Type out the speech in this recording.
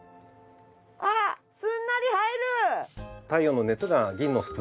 あっすんなり入る！